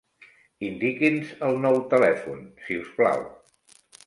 Indiqui'ns el nou telèfon, si us plau.